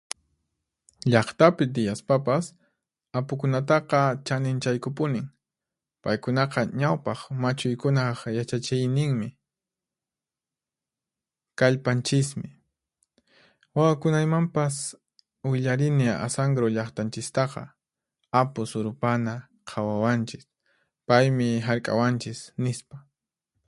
Llaqtapi tiyaspapas, Apukunataqa chaninchaykupunin. Paykunaqa ñawpaq machuykunaq yachachiyninmi, kallpanchismi. Wawakunaymanpas willarini Asankaru llaqtanchistaqa Apu Surupana qhawawanchis, paymi hark'awanchis, nispa.